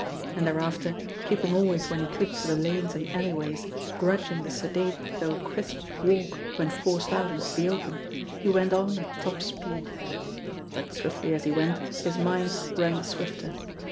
And thereafter, keeping always when he could to the lanes and alleyways, grudging the sedate though crisp walk when forced out into the open, he went on at top speed. But swiftly as he went, his mind ran the swifter.